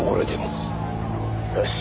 よし。